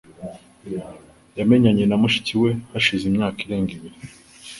Yamenyanye na mushiki we hashize imyaka irenga ibiri.